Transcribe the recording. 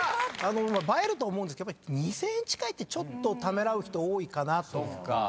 映えると思うんですけどやっぱり２，０００円近いってためらう人多いかなと。